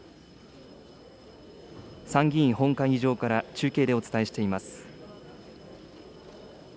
参議院本会議場から中継でお伝えしています。